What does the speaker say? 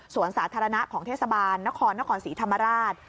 ส่วนสาธารณะของเทศบาลนครนครศรีธรรมราช